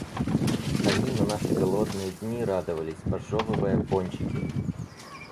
Они на наши голодные дни радовались, пожевывая пончики.